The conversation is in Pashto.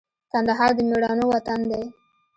کندهار د مېړنو وطن دی